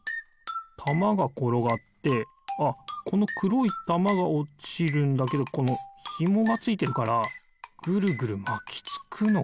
たまがころがってああこのくろいたまがおちるんだけどこのひもがついてるからぐるぐるまきつくのかな。